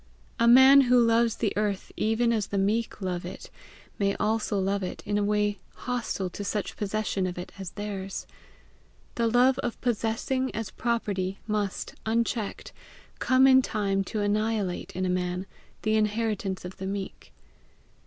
A man who loves the earth even as the meek love it, may also love it in a way hostile to such possession of it as is theirs. The love of possessing as property, must, unchecked, come in time to annihilate in a man the inheritance of the meek.